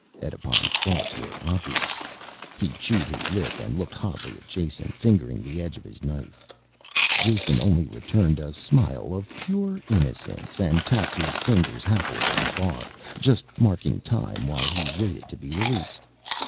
Edipon's thoughts were obvious. He chewed his lip and looked hotly at Jason, fingering the edge of his knife. Jason only returned a smile of pure innocence and tapped his fingers happily on the bar, just marking time while he waited to be released.